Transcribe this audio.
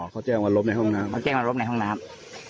อ๋อเขาแจ้งวันลบในห้องน้ำ